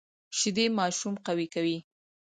شیدې ماشوم قوي کوي